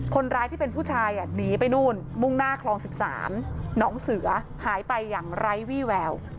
คนร้ายที่เป็นผู้ชายหนีไปนู่นมุ่งหน้าคลอง๑๓หนองเสือหายไปอย่างไร้วี่แวว